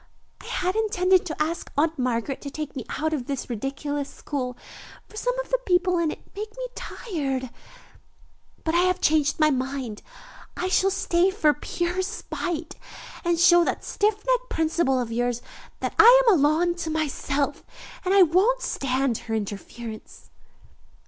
I had intended to ask Aunt Margaret to take me out of this ridiculous school, for some of the people in it make me tired, but I have changed my mind. I shall stay for pure spite and show that stiff necked principal of yours that I am a law unto myself, and won't stand her interference."